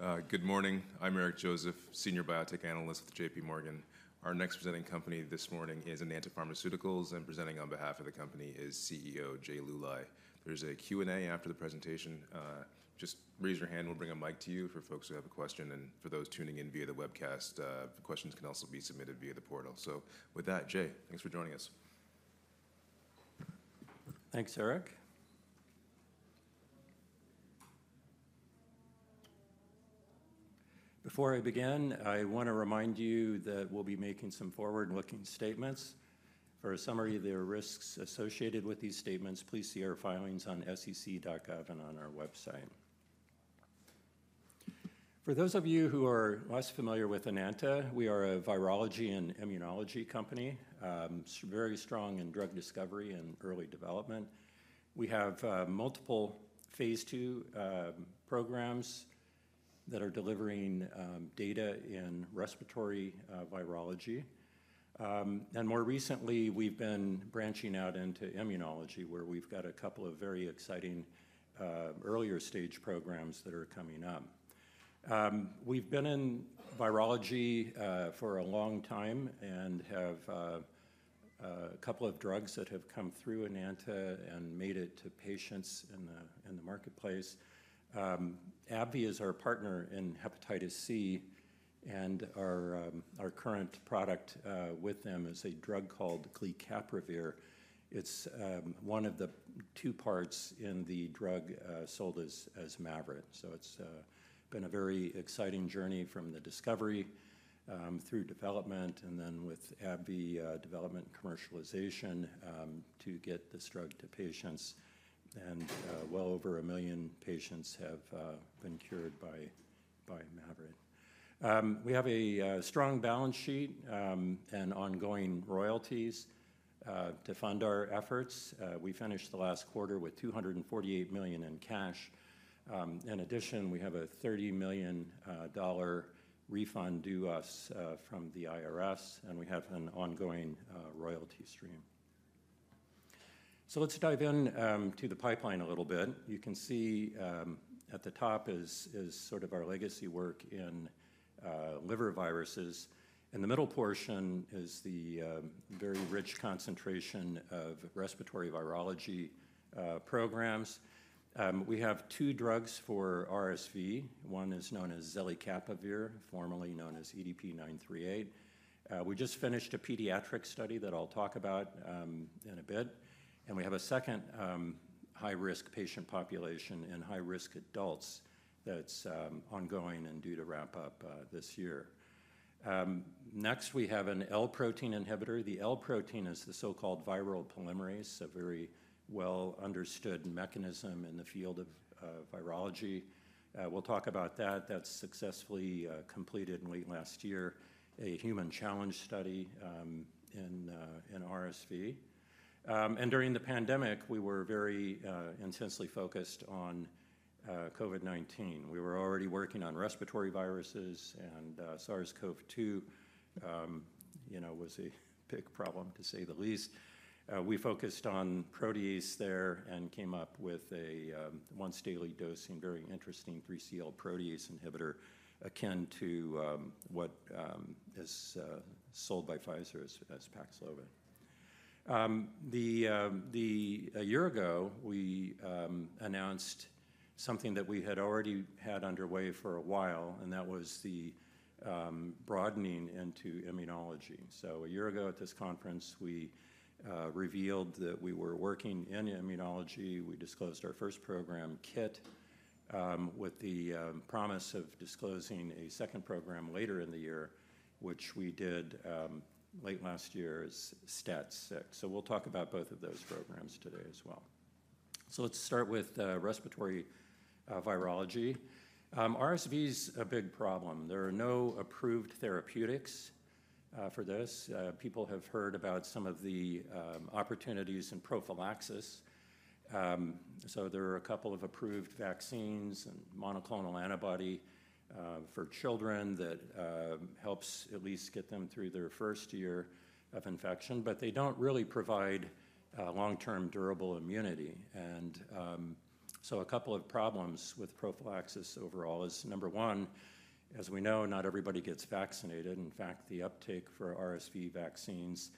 All right. Good morning. I'm Eric Joseph, Senior Biotech Analyst with J.P. Morgan. Our next presenting company this morning is Enanta Pharmaceuticals, and presenting on behalf of the company is CEO Jay Luly. There's a Q&A after the presentation. Just raise your hand, and we'll bring a mic to you for folks who have a question. And for those tuning in via the webcast, questions can also be submitted via the portal. So with that, Jay, thanks for joining us. Thanks, Eric. Before I begin, I want to remind you that we'll be making some forward-looking statements. For a summary of the risks associated with these statements, please see our filings on SEC.gov and on our website. For those of you who are less familiar with Enanta, we are a virology and immunology company. It's very strong in drug discovery and early development. We have multiple phase II programs that are delivering data in respiratory virology. And more recently, we've been branching out into immunology, where we've got a couple of very exciting earlier-stage programs that are coming up. We've been in virology for a long time and have a couple of drugs that have come through Enanta and made it to patients in the marketplace. AbbVie is our partner in hepatitis C, and our current product with them is a drug called glecaprevir. It's one of the two parts in the drug sold as Mavyret, so it's been a very exciting journey from the discovery through development, and then with AbbVie development and commercialization to get this drug to patients, and well over a million patients have been cured by Mavyret. We have a strong balance sheet and ongoing royalties to fund our efforts. We finished the last quarter with $248 million in cash. In addition, we have a $30 million refund due to us from the IRS, and we have an ongoing royalty stream, so let's dive into the pipeline a little bit. You can see at the top is sort of our legacy work in liver viruses. In the middle portion is the very rich concentration of respiratory virology programs. We have two drugs for RSV. One is known as zelecapavir, formerly known as EDP-938. We just finished a pediatric study that I'll talk about in a bit. And we have a second high-risk patient population in high-risk adults that's ongoing and due to wrap up this year. Next, we have an L-protein inhibitor. The L-protein is the so-called viral polymerase, a very well-understood mechanism in the field of virology. We'll talk about that. That's successfully completed late last year, a human challenge study in RSV. And during the pandemic, we were very intensely focused on COVID-19. We were already working on respiratory viruses, and SARS-CoV-2 was a big problem, to say the least. We focused on protease there and came up with a once-daily dosing very interesting 3CL protease inhibitor, akin to what is sold by Pfizer as Paxlovid. A year ago, we announced something that we had already had underway for a while, and that was the broadening into immunology. A year ago at this conference, we revealed that we were working in immunology. We disclosed our first program, KIT, with the promise of disclosing a second program later in the year, which we did late last year as STAT6. We'll talk about both of those programs today as well. Let's start with respiratory virology. RSV is a big problem. There are no approved therapeutics for this. People have heard about some of the opportunities in prophylaxis. There are a couple of approved vaccines and monoclonal antibody for children that helps at least get them through their first year of infection. But they don't really provide long-term durable immunity. A couple of problems with prophylaxis overall is, number one, as we know, not everybody gets vaccinated. In fact, the uptake for RSV vaccines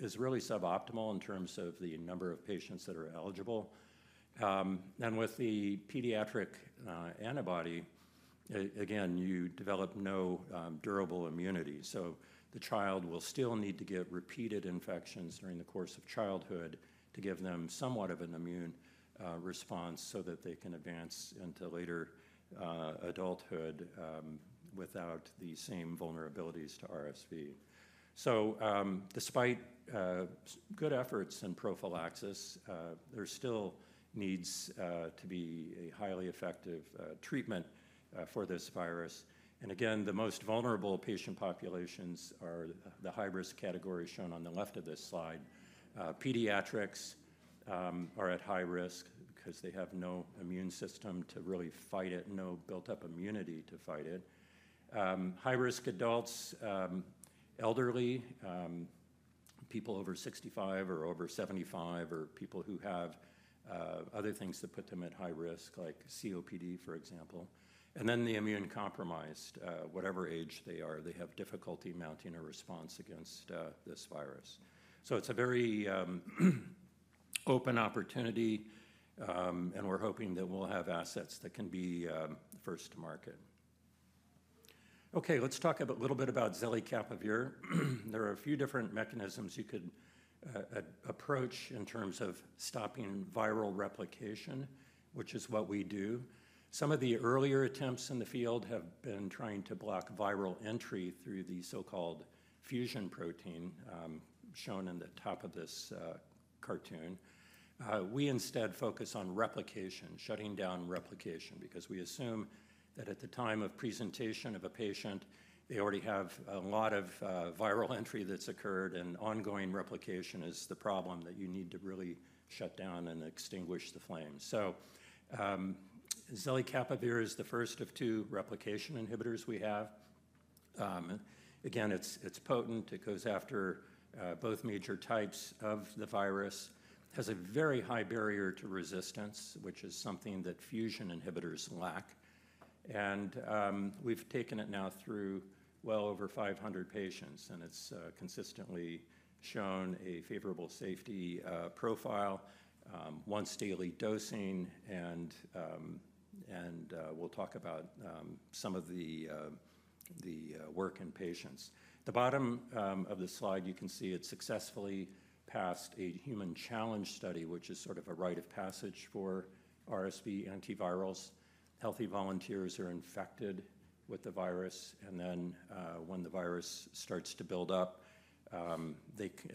is really suboptimal in terms of the number of patients that are eligible. And with the pediatric antibody, again, you develop no durable immunity. So the child will still need to get repeated infections during the course of childhood to give them somewhat of an immune response so that they can advance into later adulthood without the same vulnerabilities to RSV. So despite good efforts in prophylaxis, there's still needs to be a highly effective treatment for this virus. And again, the most vulnerable patient populations are the high-risk category shown on the left of this slide. Pediatrics are at high risk because they have no immune system to really fight it, no built-up immunity to fight it. High-risk adults, elderly, people over 65 or over 75, or people who have other things that put them at high risk, like COPD, for example. Then the immunocompromised, whatever age they are, they have difficulty mounting a response against this virus. So it's a very open opportunity, and we're hoping that we'll have assets that can be first to market. Okay, let's talk a little bit about zelecapavir. There are a few different mechanisms you could approach in terms of stopping viral replication, which is what we do. Some of the earlier attempts in the field have been trying to block viral entry through the so-called fusion protein shown in the top of this cartoon. We instead focus on replication, shutting down replication, because we assume that at the time of presentation of a patient, they already have a lot of viral entry that's occurred, and ongoing replication is the problem that you need to really shut down and extinguish the flame. So zelecapavir is the first of two replication inhibitors we have. Again, it's potent. It goes after both major types of the virus. It has a very high barrier to resistance, which is something that fusion inhibitors lack, and we've taken it now through well over 500 patients, and it's consistently shown a favorable safety profile, once-daily dosing, and we'll talk about some of the work in patients. At the bottom of the slide, you can see it successfully passed a human challenge study, which is sort of a rite of passage for RSV antivirals. Healthy volunteers are infected with the virus, and then when the virus starts to build up,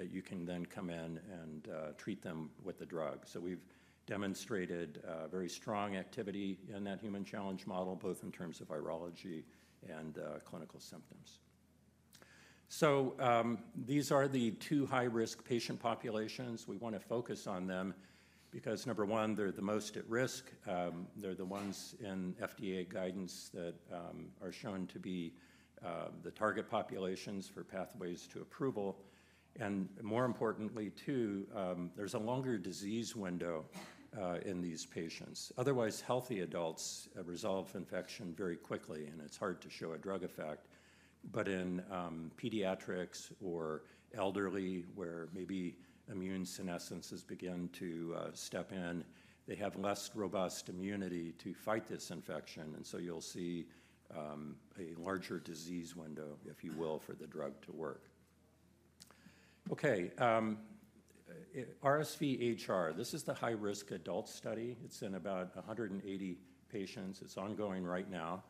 you can then come in and treat them with the drug, so we've demonstrated very strong activity in that human challenge model, both in terms of virology and clinical symptoms, so these are the two high-risk patient populations. We want to focus on them because, number one, they're the most at risk. They're the ones in FDA guidance that are shown to be the target populations for pathways to approval, and more importantly, too, there's a longer disease window in these patients. Otherwise, healthy adults resolve infection very quickly, and it's hard to show a drug effect, but in pediatrics or elderly, where maybe immune senescence has begun to step in, they have less robust immunity to fight this infection, and so you'll see a larger disease window, if you will, for the drug to work. Okay, RSV-HR. This is the high-risk adult study. It's in about 180 patients. It's ongoing right now.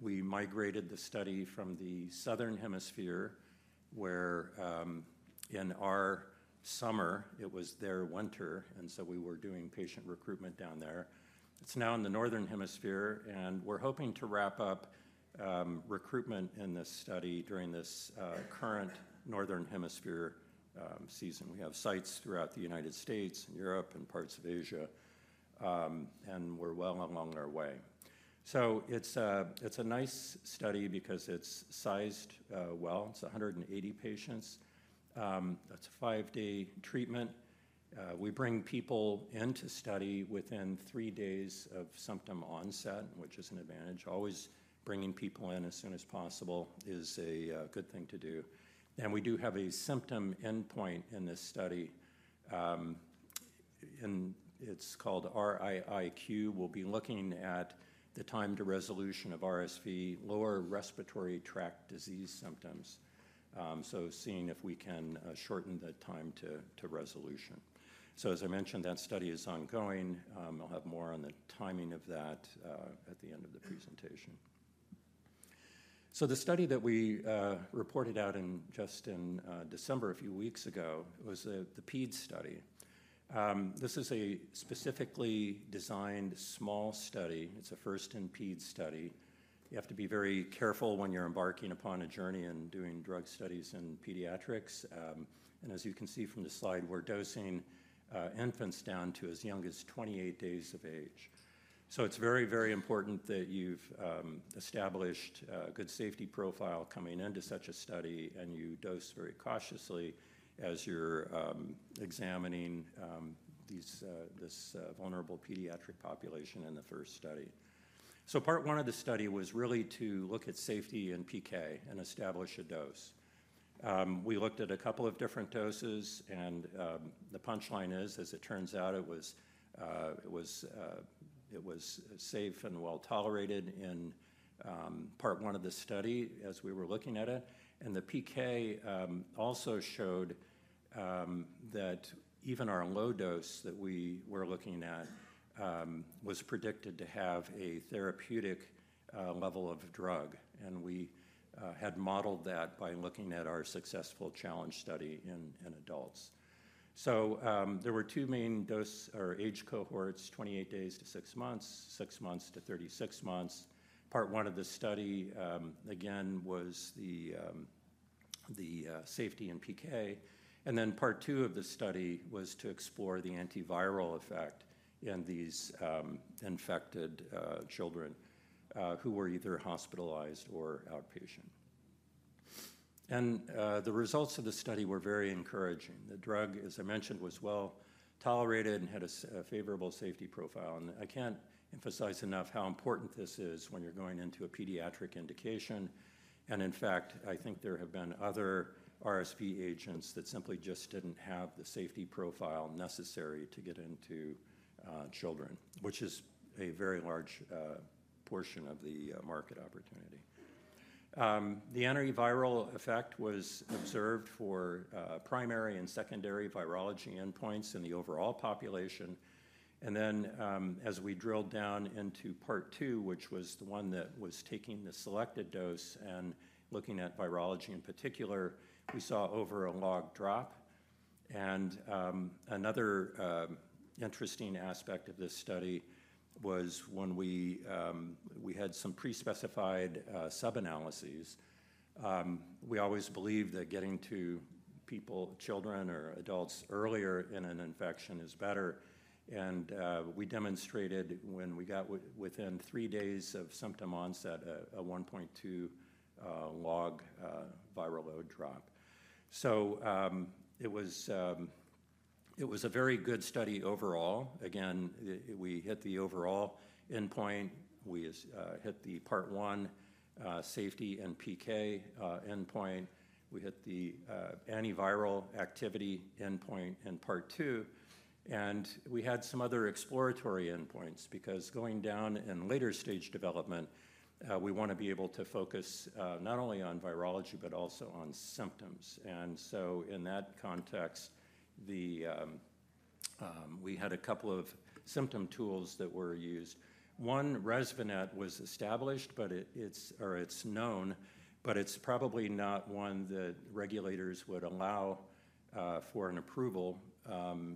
We migrated the study from the Southern Hemisphere, where in our summer, it was their winter, and so we were doing patient recruitment down there. It's now in the northern hemisphere, and we're hoping to wrap up recruitment in this study during this current northern hemisphere season. We have sites throughout the United States and Europe and parts of Asia, and we're well along our way, so it's a nice study because it's sized well. It's 180 patients. That's a five-day treatment. We bring people in to study within three days of symptom onset, which is an advantage. Always bringing people in as soon as possible is a good thing to do, and we do have a symptom endpoint in this study. It's called RiiQ. We'll be looking at the time to resolution of RSV, lower respiratory tract disease symptoms, so seeing if we can shorten the time to resolution, so as I mentioned, that study is ongoing. I'll have more on the timing of that at the end of the presentation. The study that we reported out just in December, a few weeks ago, was the PED study. This is a specifically designed small study. It's a first-in-PED study. You have to be very careful when you're embarking upon a journey and doing drug studies in pediatrics. As you can see from the slide, we're dosing infants down to as young as 28 days of age. It's very, very important that you've established a good safety profile coming into such a study, and you dose very cautiously as you're examining this vulnerable pediatric population in the first study. Part one of the study was really to look at safety in PK and establish a dose. We looked at a couple of different doses, and the punchline is, as it turns out, it was safe and well tolerated in part one of the study as we were looking at it. And the PK also showed that even our low dose that we were looking at was predicted to have a therapeutic level of drug. And we had modeled that by looking at our successful challenge study in adults. So there were two main dose or age cohorts: 28 days to six months, six months to 36 months. Part one of the study, again, was the safety in PK. And then part two of the study was to explore the antiviral effect in these infected children who were either hospitalized or outpatient. And the results of the study were very encouraging. The drug, as I mentioned, was well tolerated and had a favorable safety profile. I can't emphasize enough how important this is when you're going into a pediatric indication. In fact, I think there have been other RSV agents that simply just didn't have the safety profile necessary to get into children, which is a very large portion of the market opportunity. The antiviral effect was observed for primary and secondary virology endpoints in the overall population. Then as we drilled down into part two, which was the one that was taking the selected dose and looking at virology in particular, we saw over a log drop. Another interesting aspect of this study was when we had some pre-specified sub-analyses. We always believe that getting to people, children or adults earlier in an infection is better. We demonstrated when we got within three days of symptom onset a 1.2 log viral load drop. So it was a very good study overall. Again, we hit the overall endpoint. We hit the part one safety and PK endpoint. We hit the antiviral activity endpoint in part two. And we had some other exploratory endpoints because going down in later stage development, we want to be able to focus not only on virology, but also on symptoms. And so in that context, we had a couple of symptom tools that were used. One ReSViNET was established, but it's known, but it's probably not one that regulators would allow for an approval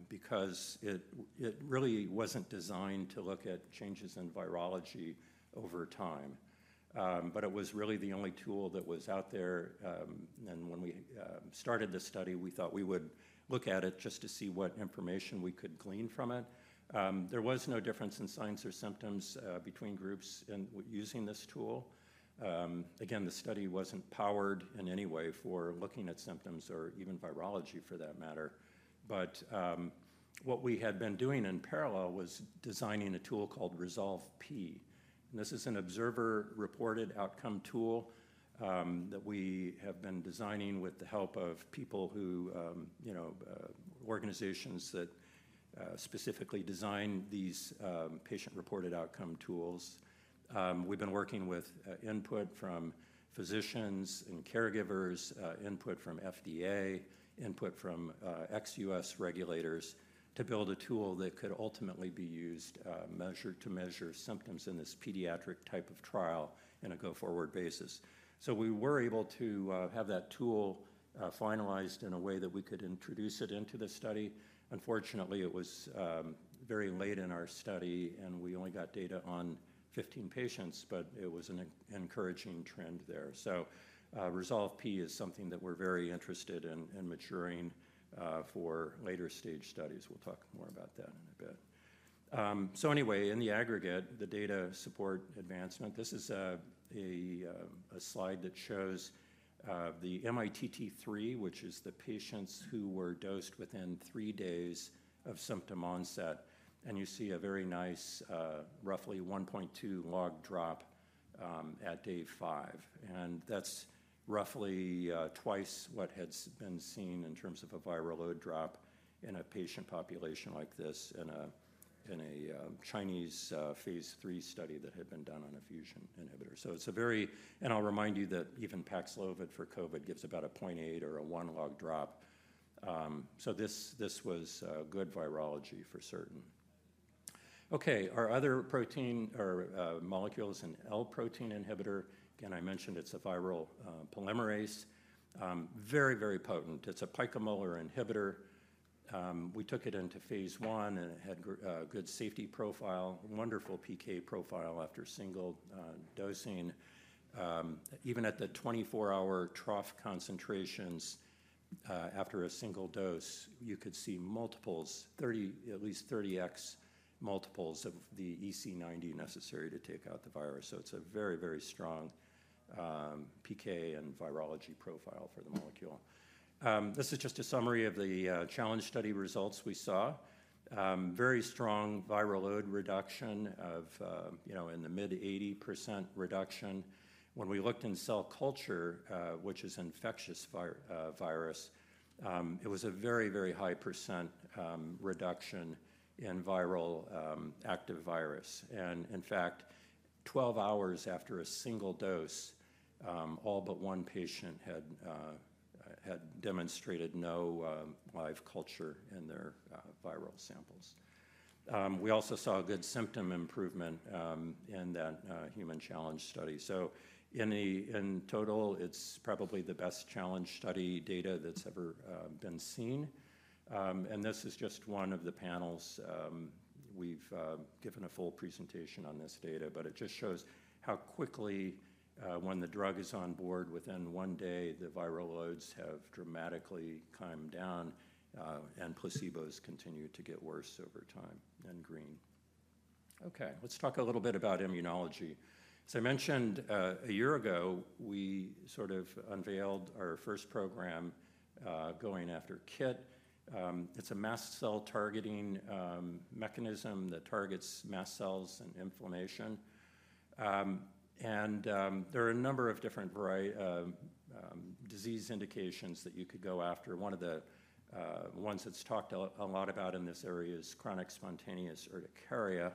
because it really wasn't designed to look at changes in virology over time. But it was really the only tool that was out there. And when we started the study, we thought we would look at it just to see what information we could glean from it. There was no difference in signs or symptoms between groups using this tool. Again, the study wasn't powered in any way for looking at symptoms or even virology for that matter, but what we had been doing in parallel was designing a tool called RESOLVE-P, and this is an observer-reported outcome tool that we have been designing with the help of people and organizations that specifically design these patient-reported outcome tools. We've been working with input from physicians and caregivers, input from FDA, input from ex-US regulators to build a tool that could ultimately be used to measure symptoms in this pediatric type of trial in a go-forward basis, so we were able to have that tool finalized in a way that we could introduce it into the study. Unfortunately, it was very late in our study, and we only got data on 15 patients, but it was an encouraging trend there. So RESOLVE-P is something that we're very interested in maturing for later stage studies. We'll talk more about that in a bit. So anyway, in the aggregate, the data support advancement. This is a slide that shows the MITT3, which is the patients who were dosed within three days of symptom onset. And you see a very nice, roughly 1.2 log drop at day five. And that's roughly twice what had been seen in terms of a viral load drop in a patient population like this in a Chinese phase III study that had been done on a fusion inhibitor. So it's a very, and I'll remind you that even Paxlovid for COVID gives about a 0.8 or a one log drop. This was good virology for certain. Okay, our other protein or molecules in L-protein inhibitor. Again, I mentioned it's a viral polymerase. Very, very potent. It's a picomolar inhibitor. We took it into phase I, and it had a good safety profile, wonderful PK profile after single dosing. Even at the 24-hour trough concentrations after a single dose, you could see multiples, at least 30x multiples of the EC90 necessary to take out the virus. So it's a very, very strong PK and virology profile for the molecule. This is just a summary of the challenge study results we saw. Very strong viral load reduction of, in the mid-80% reduction. When we looked in cell culture, which is infectious virus, it was a very, very high % reduction in viral active virus. And in fact, 12 hours after a single dose, all but one patient had demonstrated no live culture in their viral samples. We also saw good symptom improvement in that human challenge study. So in total, it's probably the best challenge study data that's ever been seen. And this is just one of the panels. We've given a full presentation on this data, but it just shows how quickly, when the drug is on board within one day, the viral loads have dramatically climbed down, and placebos continue to get worse over time. And green. Okay, let's talk a little bit about immunology. As I mentioned a year ago, we sort of unveiled our first program going after KIT. It's a mast cell targeting mechanism that targets mast cells and inflammation. And there are a number of different disease indications that you could go after. One of the ones that's talked a lot about in this area is chronic spontaneous urticaria.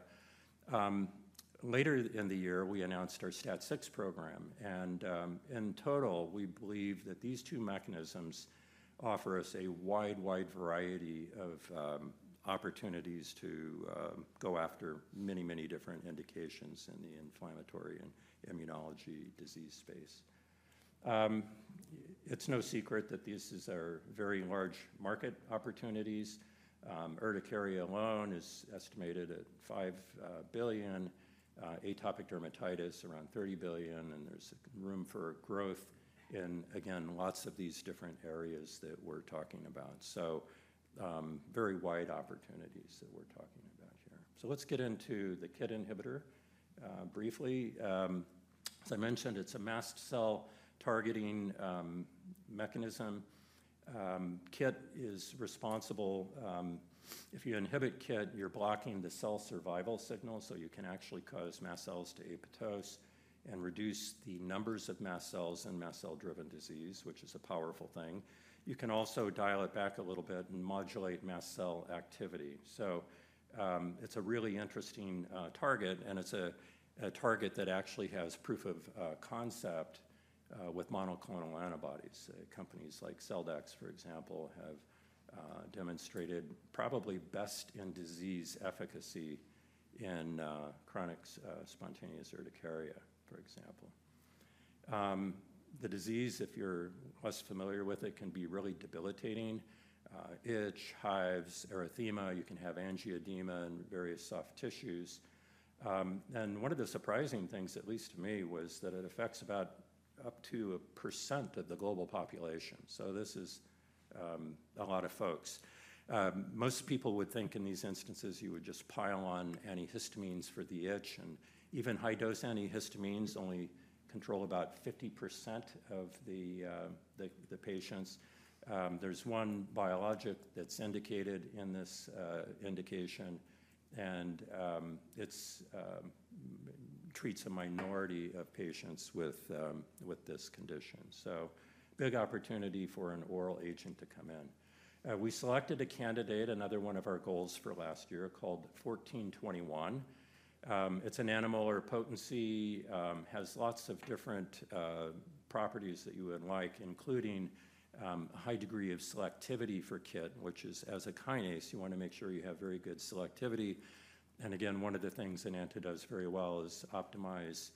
Later in the year, we announced our STAT6 program. And in total, we believe that these two mechanisms offer us a wide, wide variety of opportunities to go after many, many different indications in the inflammatory and immunology disease space. It's no secret that these are very large market opportunities. Urticaria alone is estimated at $5 billion. Atopic dermatitis around $30 billion. And there's room for growth in, again, lots of these different areas that we're talking about. So very wide opportunities that we're talking about here. So let's get into the KIT inhibitor briefly. As I mentioned, it's a mast cell targeting mechanism. KIT is responsible. If you inhibit KIT, you're blocking the cell survival signal, so you can actually cause mast cells to apoptose and reduce the numbers of mast cells in mast cell-driven disease, which is a powerful thing. You can also dial it back a little bit and modulate mast cell activity. So it's a really interesting target, and it's a target that actually has proof of concept with monoclonal antibodies. Companies like Celldex, for example, have demonstrated probably best in disease efficacy in chronic spontaneous urticaria, for example. The disease, if you're less familiar with it, can be really debilitating: itch, hives, erythema. You can have angioedema in various soft tissues. And one of the surprising things, at least to me, was that it affects about up to 1% of the global population. So this is a lot of folks. Most people would think in these instances you would just pile on antihistamines for the itch. And even high-dose antihistamines only control about 50% of the patients. There's one biologic that's indicated in this indication, and it treats a minority of patients with this condition. So big opportunity for an oral agent to come in. We selected a candidate, another one of our goals for last year called 1421. It's a nanomolar potency, has lots of different properties that you would like, including a high degree of selectivity for KIT, which is as a kinase, you want to make sure you have very good selectivity. And again, one of the things Enanta does very well is optimize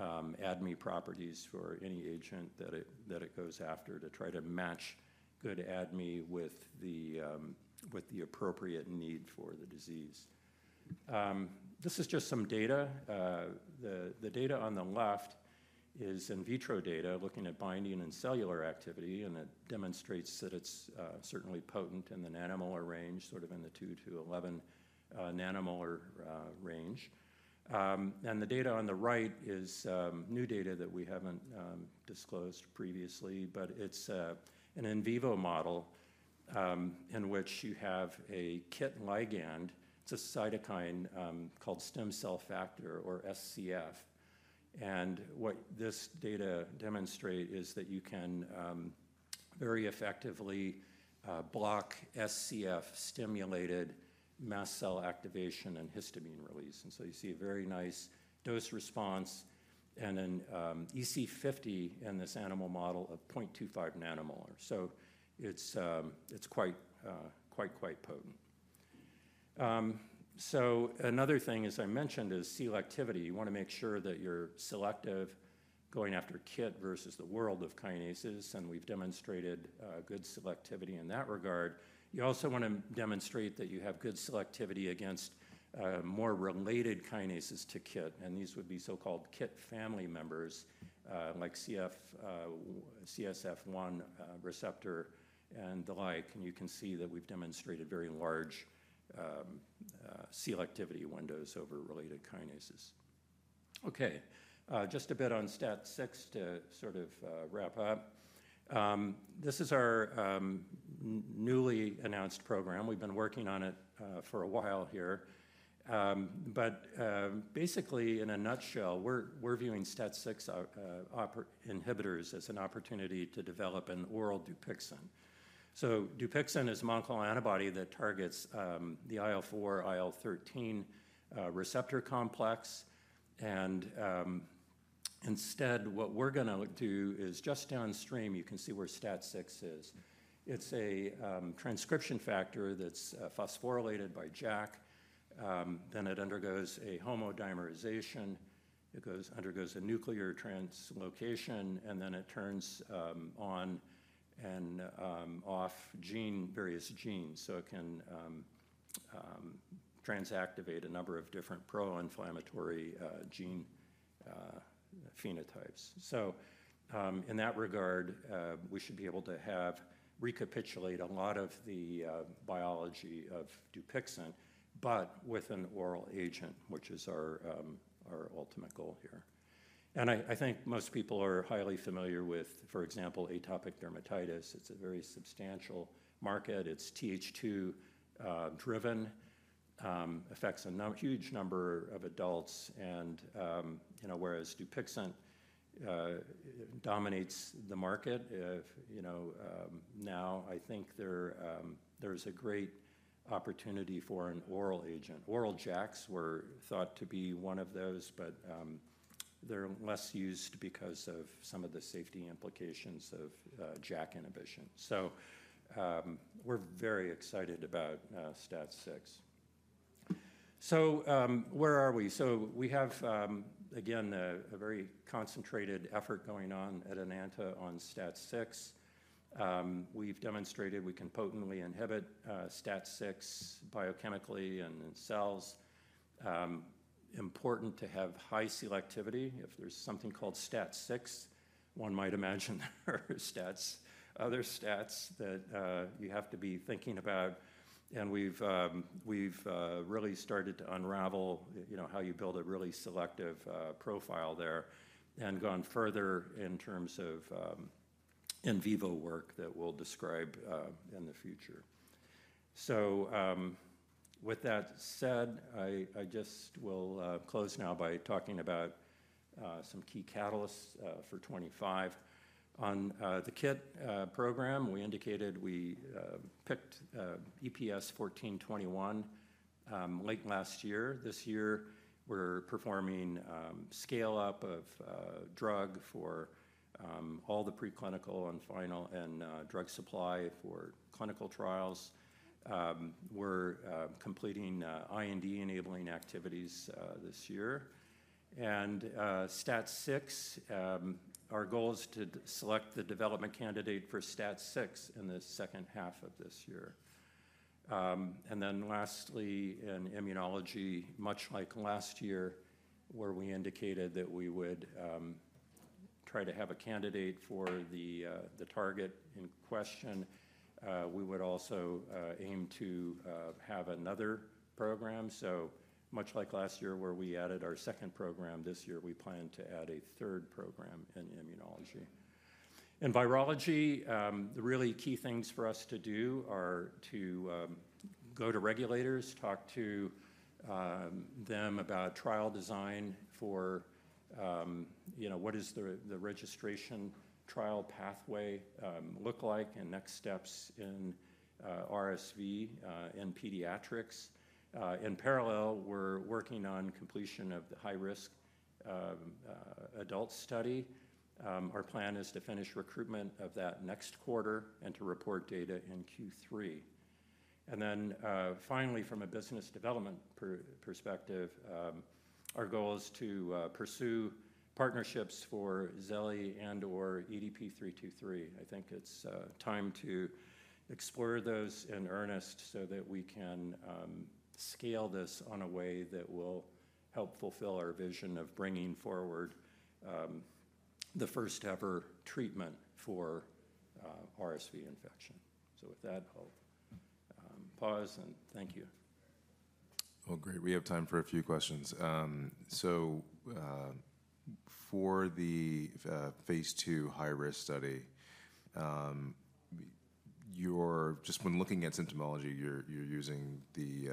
ADME properties for any agent that it goes after to try to match good ADME with the appropriate need for the disease. This is just some data. The data on the left is in vitro data looking at binding and cellular activity, and it demonstrates that it's certainly potent in the nanomolar range, sort of in the 2-11 nanomolar range. And the data on the right is new data that we haven't disclosed previously, but it's an in vivo model in which you have a KIT ligand. It's a cytokine called stem cell factor or SCF. And what this data demonstrates is that you can very effectively block SCF-stimulated mast cell activation and histamine release. And so you see a very nice dose response and an EC50 in this animal model of 0.25 nanomolar. So it's quite, quite, quite potent. So another thing, as I mentioned, is selectivity. You want to make sure that you're selective going after KIT versus the world of kinases, and we've demonstrated good selectivity in that regard. You also want to demonstrate that you have good selectivity against more related kinases to KIT, and these would be so-called KIT family members like CSF1 receptor and the like, and you can see that we've demonstrated very large selectivity windows over related kinases. Okay, just a bit on STAT6 to sort of wrap up. This is our newly announced program. We've been working on it for a while here, but basically, in a nutshell, we're viewing STAT6 inhibitors as an opportunity to develop an oral DUPIXENT, so DUPIXENT is a monoclonal antibody that targets the IL-4, IL-13 receptor complex, and instead, what we're going to do is just downstream, you can see where STAT6 is. It's a transcription factor that's phosphorylated by JAK, then it undergoes a homodimerization. It undergoes a nuclear translocation, and then it turns on and off various genes so it can transactivate a number of different pro-inflammatory gene phenotypes. So in that regard, we should be able to recapitulate a lot of the biology of DUPIXENT, but with an oral agent, which is our ultimate goal here. And I think most people are highly familiar with, for example, atopic dermatitis. It's a very substantial market. It's Th2-driven, affects a huge number of adults. And whereas DUPIXENT dominates the market, now I think there's a great opportunity for an oral agent. Oral JAKs were thought to be one of those, but they're less used because of some of the safety implications of JAK inhibition. So we're very excited about STAT6. So where are we? So we have, again, a very concentrated effort going on at Enanta on STAT6. We've demonstrated we can potently inhibit STAT6 biochemically and in cells. Important to have high selectivity. If there's something called STAT6, one might imagine there are other STATs that you have to be thinking about. And we've really started to unravel how you build a really selective profile there and gone further in terms of in vivo work that we'll describe in the future. So with that said, I just will close now by talking about some key catalysts for 2025. On the KIT program, we indicated we picked EPS-1421 late last year. This year, we're performing scale-up of drug for all the preclinical and final drug supply for clinical trials. We're completing IND-enabling activities this year. And STAT6, our goal is to select the development candidate for STAT6 in the second half of this year. And then lastly, in immunology, much like last year, where we indicated that we would try to have a candidate for the target in question, we would also aim to have another program. So much like last year, where we added our second program, this year we plan to add a third program in immunology. In virology, the really key things for us to do are to go to regulators, talk to them about trial design for what does the registration trial pathway look like? and next steps in RSV in pediatrics. In parallel, we're working on completion of the high-risk adult study. Our plan is to finish recruitment of that next quarter and to report data in Q3. And then finally, from a business development perspective, our goal is to pursue partnerships for Zelli and/or EDP-323. I think it's time to explore those in earnest so that we can scale this in a way that will help fulfill our vision of bringing forward the first-ever treatment for RSV infection. So with that, I'll pause and thank you. Well, great. We have time for a few questions. So for the phase two high-risk study, just when looking at symptomology, you're using the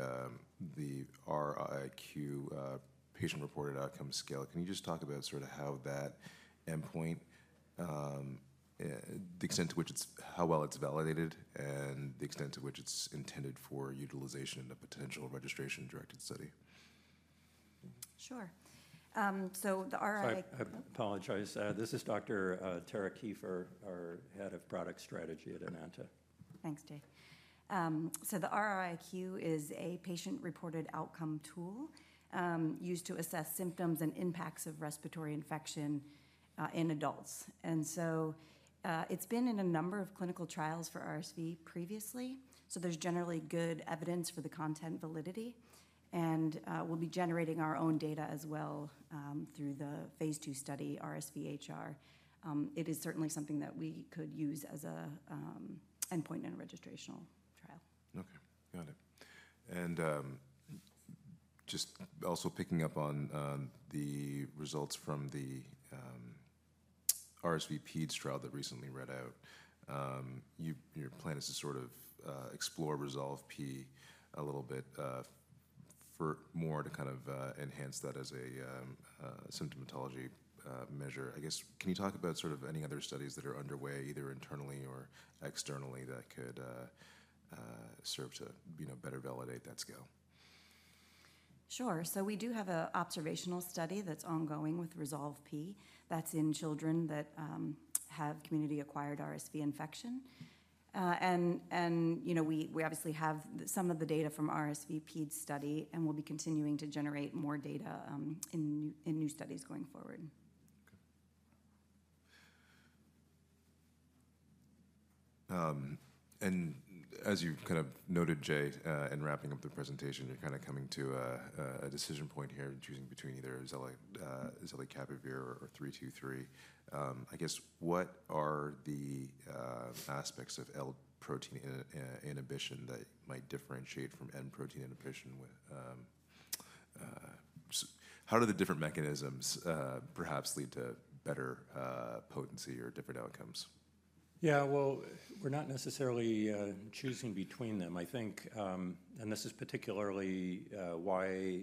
RiiQ, patient-reported outcome scale. Can you just talk about sort of how that endpoint, the extent to which it's how well it's validated and the extent to which it's intended for utilization in a potential registration-directed study? Sure. So the RiiQ. Sorry, I apologize. This is Dr. Tara Kieffer, our head of product strategy at Enanta. Thanks, Jay. So the RiiQ is a patient-reported outcome tool used to assess symptoms and impacts of respiratory infection in adults. And so it's been in a number of clinical trials for RSV previously. So there's generally good evidence for the content validity. And we'll be generating our own data as well through the phase II study, RSV-HR. It is certainly something that we could use as an endpoint in a registrational trial. Okay, got it. And just also picking up on the results from the RSV-PEDS trial that recently read out, your plan is to sort of explore RESOLVE-P a little bit more to kind of enhance that as a symptomatology measure. I guess, can you talk about sort of any other studies that are underway, either internally or externally, that could serve to better validate that scale? Sure. So we do have an observational study that's ongoing with RESOLVE-P that's in children that have community-acquired RSV infection. We obviously have some of the data from the RSV-PED study, and we'll be continuing to generate more data in new studies going forward. As you've kind of noted, Jay, in wrapping up the presentation, you're kind of coming to a decision point here in choosing between either zelecapavir or 323. I guess, what are the aspects of L-protein inhibition that might differentiate from N-protein inhibition? How do the different mechanisms perhaps lead to better potency or different outcomes? Yeah, well, we're not necessarily choosing between them. I think, and this is particularly why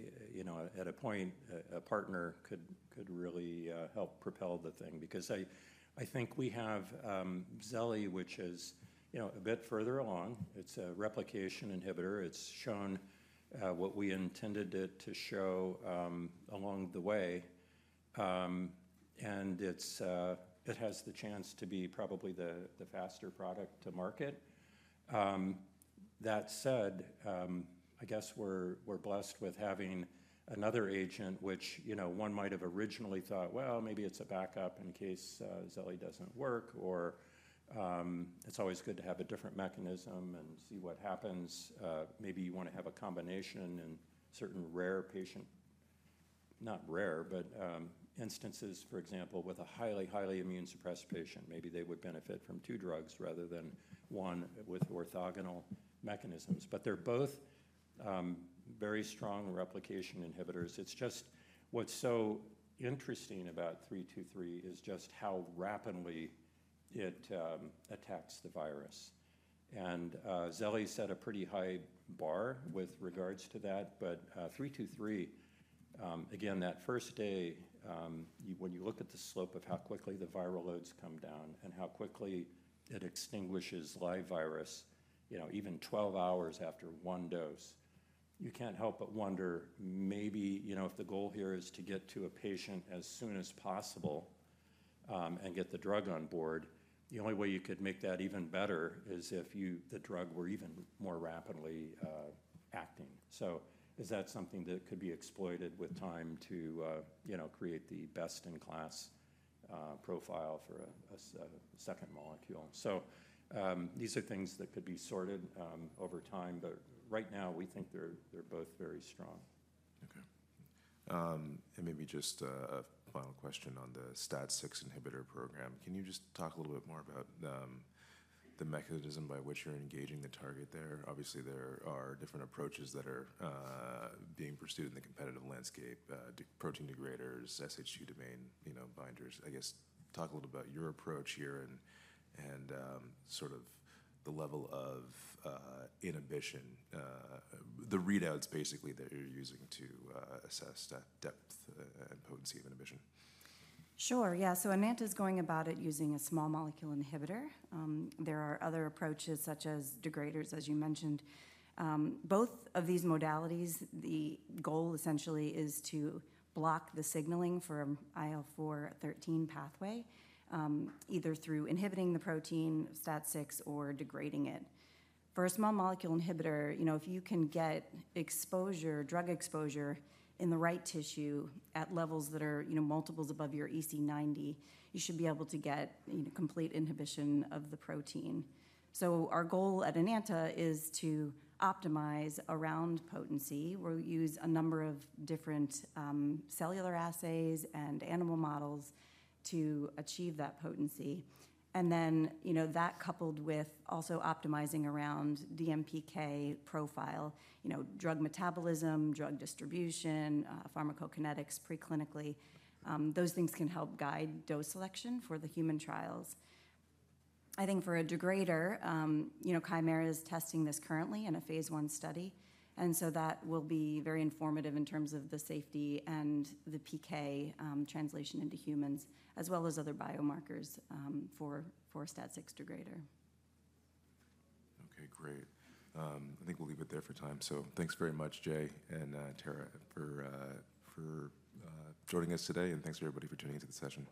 at a point a partner could really help propel the thing, because I think we have Zelli, which is a bit further along. It's a replication inhibitor. It's shown what we intended it to show along the way. It has the chance to be probably the faster product to market. That said, I guess we're blessed with having another agent, which one might have originally thought, well, maybe it's a backup in case Zelli doesn't work, or it's always good to have a different mechanism and see what happens. Maybe you want to have a combination in certain rare patient not rare, but instances, for example, with a highly, highly immune-suppressed patient, maybe they would benefit from two drugs rather than one with orthogonal mechanisms. But they're both very strong replication inhibitors. It's just what's so interesting about 323 is just how rapidly it attacks the virus, and Zelli set a pretty high bar with regards to that. But 323, again, that first day, when you look at the slope of how quickly the viral loads come down and how quickly it extinguishes live virus, even 12 hours after one dose, you can't help but wonder, maybe if the goal here is to get to a patient as soon as possible and get the drug on board, the only way you could make that even better is if the drug were even more rapidly acting. So is that something that could be exploited with time to create the best-in-class profile for a second molecule? So these are things that could be sorted over time, but right now, we think they're both very strong. Okay. And maybe just a final question on the STAT6 inhibitor program. Can you just talk a little bit more about the mechanism by which you're engaging the target there? Obviously, there are different approaches that are being pursued in the competitive landscape: protein degraders, SH2 domain binders. I guess, talk a little bit about your approach here and sort of the level of inhibition, the readouts basically that you're using to assess that depth and potency of inhibition? Sure, yeah. So Enanta is going about it using a small molecule inhibitor. There are other approaches such as degraders, as you mentioned. Both of these modalities, the goal essentially is to block the signaling for an IL-4/13 pathway, either through inhibiting the protein, STAT6, or degrading it. For a small molecule inhibitor, if you can get exposure, drug exposure in the right tissue at levels that are multiples above your EC90, you should be able to get complete inhibition of the protein. So our goal at Enanta is to optimize around potency. We'll use a number of different cellular assays and animal models to achieve that potency. And then that, coupled with also optimizing around DMPK profile, drug metabolism, drug distribution, pharmacokinetics preclinically, those things can help guide dose selection for the human trials. I think for a degrader, Kymera is testing this currently in a phase one study. And so that will be very informative in terms of the safety and the PK translation into humans, as well as other biomarkers for STAT6 degrader. Okay, great. I think we'll leave it there for time. So thanks very much, Jay and Tara, for joining us today. And thanks to everybody for tuning into the session.